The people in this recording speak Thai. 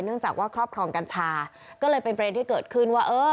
จากว่าครอบครองกัญชาก็เลยเป็นประเด็นที่เกิดขึ้นว่าเออ